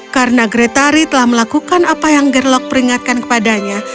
karena geretari telah melakukan apa yang gerlok peringatkan kepadanya